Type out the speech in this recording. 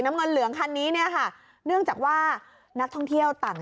น้ำเงินเหลืองคันนี้เนี่ยค่ะเนื่องจากว่านักท่องเที่ยวต่าง